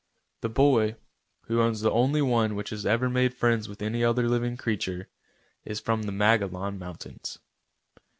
The boy, who owns the only one which has ever made friends with any other living creature, is from the Magollon mountains.